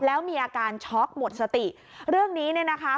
แล้วมีอาการช็อกหมดสติเรื่องนี้เนี่ยนะคะ